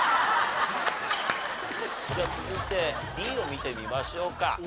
じゃあ続いてＤを見てみましょうか。